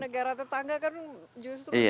negara tetangga kan justru